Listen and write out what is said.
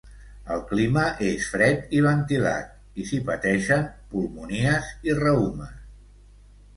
El clima és fred i ventilat, i s'hi pateixen pulmonies i reumes.